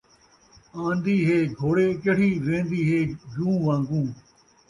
آندی ہے گھوڑے چڑھی، ویندی ہے جوں وانگوں